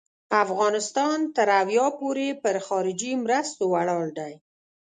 افغانستان تر اویا پوري پر خارجي مرستو ولاړ دی.